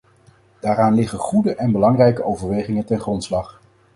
Daaraan liggen goede en belangrijke overwegingen ten grondslag.